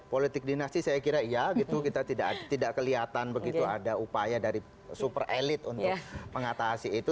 politik dinasti saya kira iya gitu kita tidak kelihatan begitu ada upaya dari super elit untuk mengatasi itu